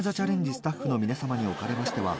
スタッフの皆様におかれましては」